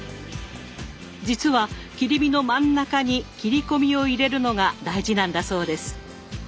実は切り身の真ん中に切り込みを入れるのが大事なんだそうです。